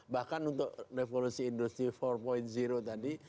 bahkan untuk revolusi industri empat tadi